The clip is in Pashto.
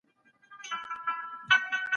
د دلارام په ښوونځي کي مي خپل زوی شامل کړی دی.